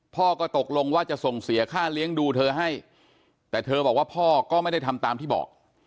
พ่อก็ตกลงว่าจะส่งเสียค่าเลี้ยงดูเธอให้แต่เธอบอกว่าพ่อก็ไม่ได้ทำตามที่บอก